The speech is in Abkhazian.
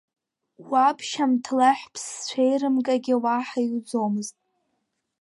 Уаб Шьамҭлаҳә ԥсцәеирымгагьы уаҳа иуӡомызт!